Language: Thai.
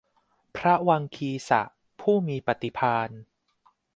พระวังคีสะ ผู้มีปฏิภาณ